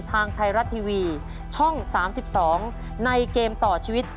ทางไทยรัฐทีวีช่อง๓๒ในเกมต่อชีวิต